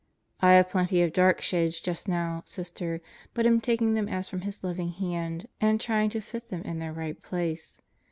I have plenty of dark shades just now, Sister, but am taking them as from His loving hand, and trying to fit them in their right place.